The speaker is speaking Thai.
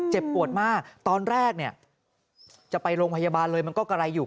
ปวดมากตอนแรกเนี่ยจะไปโรงพยาบาลเลยมันก็กระไรอยู่